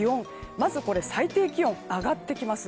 まず最低気温は上がってきます。